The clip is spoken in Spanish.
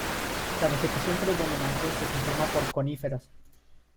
La vegetación predominante se conforma por coníferas.